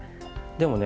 でもね